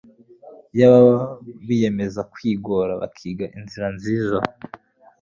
Iyaba biyemezaga kwigora bakiga inzira nziza